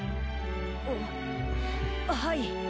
あっはい。